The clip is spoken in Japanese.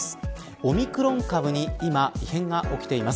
オミクロン株に今、異変が起きています。